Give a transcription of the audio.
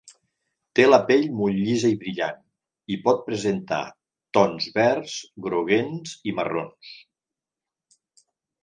Té la pell molt llisa i brillant, i pot presentar tons verds, groguencs i marrons.